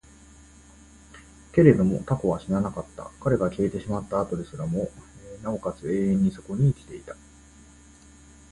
けれども蛸は死ななかった。彼が消えてしまった後ですらも、尚且つ永遠にそこに生きていた。